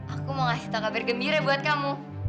aku mau ngasih tahu kabar gembira buat kamu